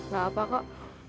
gak apa kok